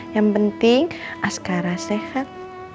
yang penting askar sehat